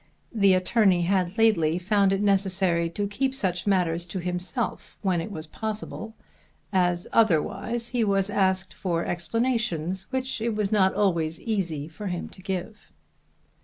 The attorney had lately found it necessary to keep such matters to himself when it was possible, as otherwise he was asked for explanations which it was not always easy for him to give.